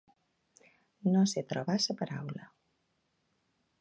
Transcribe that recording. No sé trobar la paraula.